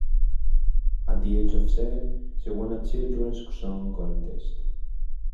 At the age of seven, she won a children's song contest.